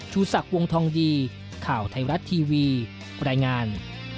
ชูศักดิ์วงทองดีข่าวไทยรัฐทีวีรายงาน